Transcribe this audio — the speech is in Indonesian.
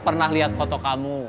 pernah lihat foto kamu